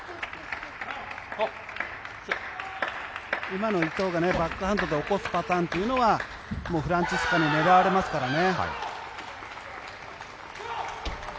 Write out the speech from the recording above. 今の伊藤がバックハンドで起こすパターンというのはフランツィスカに狙われますからね。